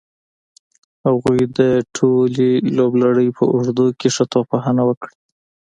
هغوی د ټولې لوبلړۍ په اوږدو کې ښه توپ وهنه وکړه.